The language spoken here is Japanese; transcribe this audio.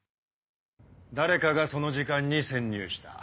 誰かがその時間に潜入した。